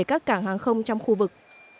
các cảng hàng không trong khu vực